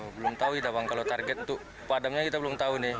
belum tahu kita bang kalau target untuk padamnya kita belum tahu nih